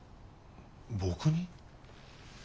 僕に？